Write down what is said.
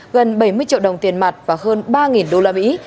gần bảy mươi triệu đồng tiền mặt và hơn ba đô la mỹ